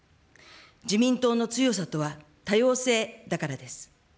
自民党の強さとは、多様性だからです。